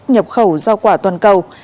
nhập khẩu rau quả toàn cầu